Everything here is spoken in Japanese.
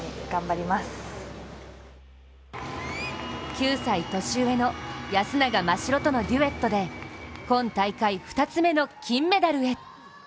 ９歳年上の安永真白とのデュエットで今大会２つめの金メダルへ。